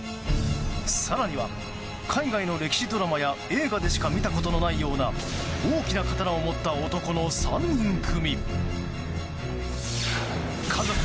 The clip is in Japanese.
更には、海外の歴史ドラマや映画でしか見たことのないような大きな刀を持った男の３人組。